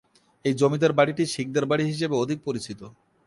এই জমিদার বাড়িটি শিকদার বাড়ি হিসেবে অধিক পরিচিত।